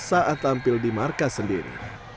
saat tampil di markas sendiri